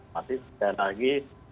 tapi sekali lagi